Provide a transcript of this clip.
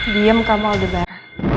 diam kamu aldebar